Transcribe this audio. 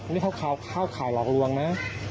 นี่ข้าวขายหลอกหลวงนะ